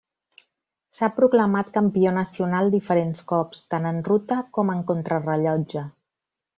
S'ha proclamat campió nacional diferents cops, tant en ruta com en contrarellotge.